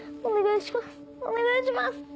お願いします